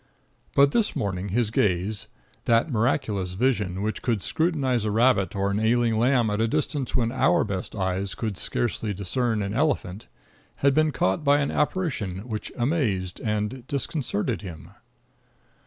But this morning his gaze that miraculous vision which could scrutinize a rabbit or an ailing lamb at a distance when our best eyes would hardly discern an elephant had been caught by an apparition which amazed and disconcerted him.